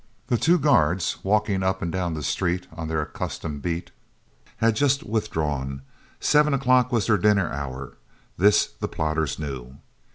The two guards, walking up and down the street on their accustomed beat, had just withdrawn; 7 o'clock was their dinner hour, this the plotters knew.